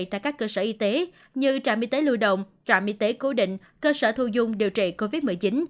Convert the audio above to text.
tại các cơ sở y tế như trạm y tế lưu động trạm y tế cố định cơ sở thu dung điều trị covid một mươi chín